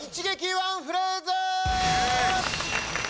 ワンフレーズ